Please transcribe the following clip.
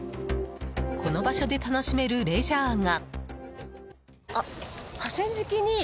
この場所で楽しめるレジャーが。